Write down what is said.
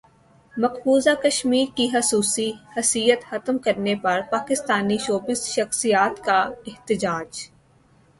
مقبوضہ کشمیر کی خصوصی حیثیت ختم کرنے پر پاکستانی شوبز شخصیات کا احتجاج